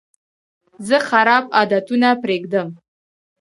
زه خراب عادتونه پرېږدم.